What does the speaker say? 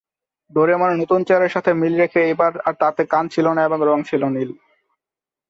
ডোরেমনের নতুন চেহারার সাথে মিল রেখে এইবার আর তাতে কান ছিল না এবং রং ছিল নীল।